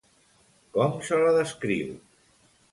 Com se la descriu?